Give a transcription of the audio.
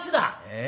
「え？